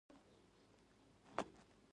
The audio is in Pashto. نه یې لویانو ته سر ټيټ و.